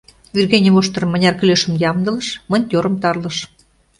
Вӱргене воштырым мыняр кӱлешым ямдылыш, монтёрым тарлыш.